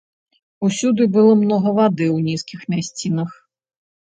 Усюды было многа вады ў нізкіх мясцінах.